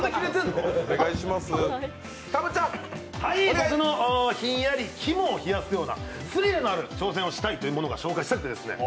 僕のひんやり肝を冷やすようなスリルのある挑戦をしたいものが紹介したくてですね。